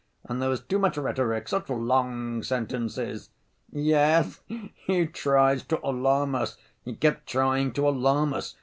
And there was too much rhetoric, such long sentences." "Yes, he tries to alarm us, he kept trying to alarm us.